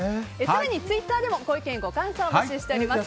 更にツイッターでもご意見ご感想を募集しています。